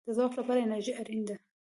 د ځواک لپاره انرژي اړین ده